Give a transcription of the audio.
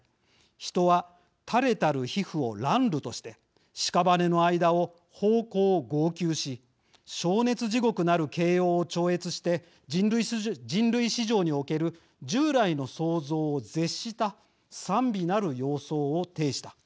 人は垂れたる皮膚を襤褸として屍の間を彷徨号泣し焦熱地獄なる形容を超越して人類史上における従来の想像を絶した惨鼻なる様相を呈した。